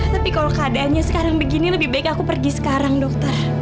tapi kalau keadaannya sekarang begini lebih baik aku pergi sekarang dokter